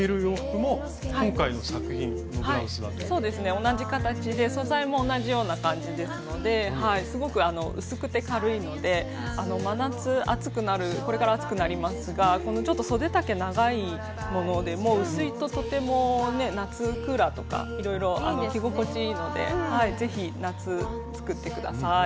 同じ形で素材も同じような感じですのですごく薄くて軽いので真夏暑くなるこれから暑くなりますがこのちょっとそで丈長いものでも薄いととてもね夏クーラーとかいろいろ着心地いいので是非夏作って下さい。